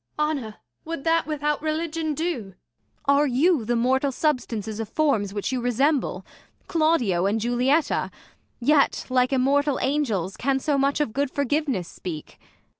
Jul. Honour, would that without religion do ] Ang. Are you the mortal substances of forms Which you resemble, Claudio and Julietta ; Yet, like immortal angels, can so much Of good forgiveness speak